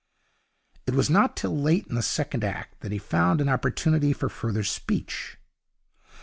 It was not till late in the second act that he found an opportunity for further speech.